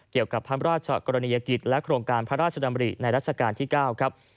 เกี่ยวกับพระราชกรณียกิจและโครงการพระราชดำริในรัชกาลที่๙ครับ